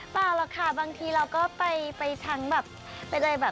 เปล่าหรอกค่ะบางทีเราก็ไปทั้งแบบ